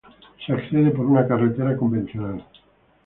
Se accede por una carretera convencional.